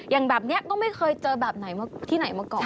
อย่างแบบนี้ก็ไม่เคยเจอแบบไหนที่ไหนมาก่อน